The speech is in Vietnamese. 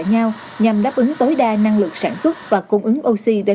nhằm phục vụ công tác chống dịch của bộ y tế